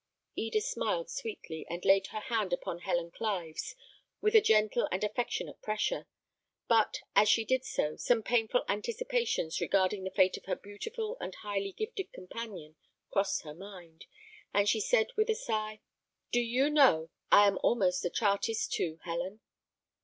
Eda smiled sweetly, and laid her hand upon Helen Clive's, with a gentle and affectionate pressure; but, as she did so, some painful anticipations regarding the fate of her beautiful and highly gifted companion crossed her mind, and she said, with a sigh, "Do you know, I am almost a Chartist too, Helen!"